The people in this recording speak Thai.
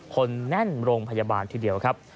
คนแน่นโรงพยาบาลทีเดียวครับ